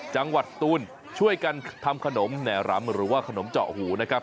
จังหวัดตูนช่วยกันทำขนมแหน่รำหรือว่าขนมเจาะหูนะครับ